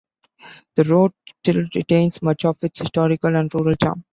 The road still retains much of its historical and rural charm.